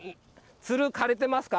つる枯れてますか？